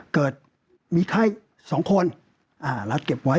เกิดมีไข้๒คนรัฐเก็บไว้